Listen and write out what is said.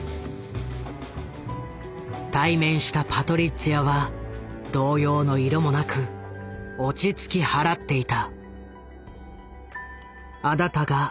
対面したパトリッツィアは動揺の色もなく落ち着き払っていた。